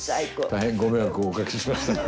大変ご迷惑をおかけしました。